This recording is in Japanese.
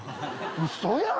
ウソやん！